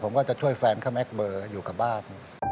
ผมก็จะช่วยแฟนเขาแก๊กเบอร์อยู่กับบ้าน